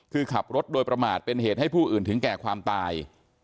คือขับรถโดยประมาทเป็นเหตุให้ผู้อื่นถึงแก่ความตาย